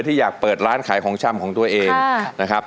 ที่อยากเปิดร้านขายของชำของตัวเองนะครับ